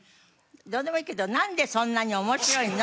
どうでもいいけど「なんでそんなに面白いの？」